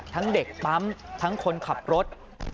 ทั้งเด็กปั๊มทั้งคนขับรถ